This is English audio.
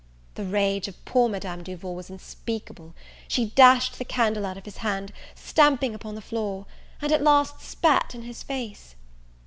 The rage of poor Madame Duval was unspeakable; she dashed the candle out of his hand, stamping upon the floor, and, at last, spat in his face.